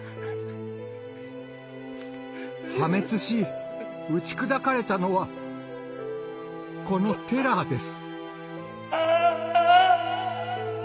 破滅し打ち砕かれたのはこのテラーです。